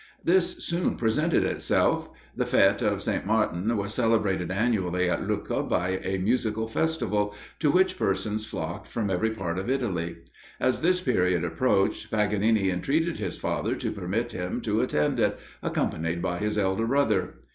This soon presented itself. The fête of St. Martin was celebrated annually at Lucca by a musical festival, to which persons flocked from every part of Italy. As this period approached, Paganini entreated his father to permit him to attend it, accompanied by his elder brother.